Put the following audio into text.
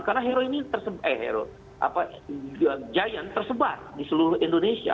karena hero ini tersebar eh hero apa giant tersebar di seluruh indonesia